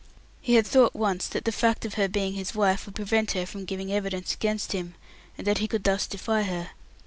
He had thought once that the fact of her being his wife would prevent her from giving evidence against him, and that he could thus defy her.